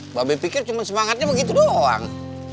mba be pikir cuma semangatnya begitu doang